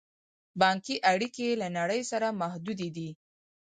بانکي اړیکې یې له نړۍ سره محدودې دي.